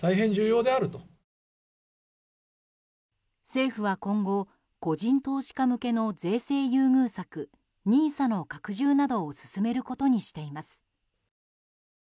政府は今後、個人投資家向けの税制優遇策ＮＩＳＡの拡充などを進めることにしています。